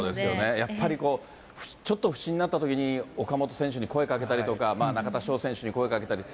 やっぱりこう、ちょっと不振になったときに、岡本選手に声かけたりとか、中田翔選手に声かけたりして。